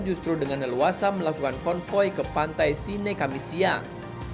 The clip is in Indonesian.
justru dengan leluasa melakukan konvoy ke pantai sine kami siang